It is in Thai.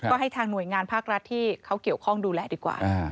ก็ให้ทางหน่วยงานภาครัฐที่เขาเกี่ยวข้องดูแลดีกว่า